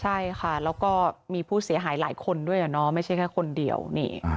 ใช่ค่ะแล้วก็มีผู้เสียหายหลายคนด้วยอ่ะเนาะไม่ใช่แค่คนเดียวนี่